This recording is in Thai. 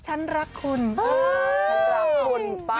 ฉันรักคุณป๊า